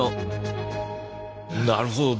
なるほど。